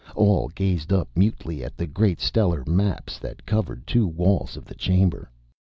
All gazed up mutely at the great stellar maps that covered two walls of the chamber.